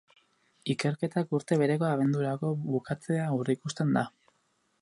Ikerketak urte bereko abendurako bukatzea aurreikusten da.